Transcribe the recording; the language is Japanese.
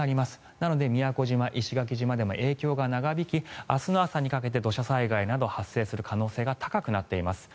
なので宮古島、石垣島でも影響が長引き明日の朝にかけて土砂災害など発生する可能性が高くなっています。